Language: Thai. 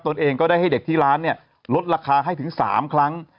เองก็ได้ให้เด็กที่ร้านเนี่ยลดราคาให้ถึง๓ครั้ง